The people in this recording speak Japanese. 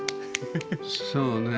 そうね。